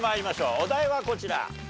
お題はこちら。